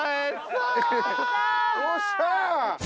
よっしゃ！